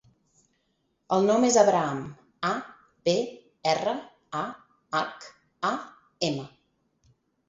El nom és Abraham: a, be, erra, a, hac, a, ema.